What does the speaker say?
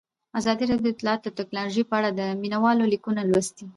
ازادي راډیو د اطلاعاتی تکنالوژي په اړه د مینه والو لیکونه لوستي.